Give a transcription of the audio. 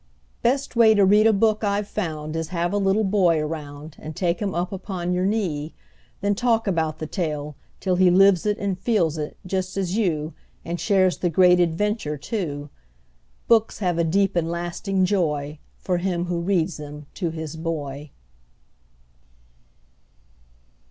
Best way to read a book I've found Is have a little boy around And take him up upon your knee; Then talk about the tale, till he Lives it and feels it, just as you, And shares the great adventure, too. Books have a deep and lasting joy For him who reads them to his boy.